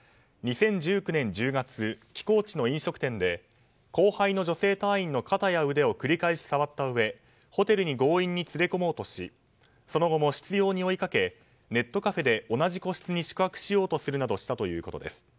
２０１９年１０月寄港地の飲食店で後輩の女性隊員の肩や腕を繰り返し触ったうえホテルに強引に連れ込もうとしその後も、執拗に追いかけネットカフェで同じ個室に宿泊しようとするなどしたということです。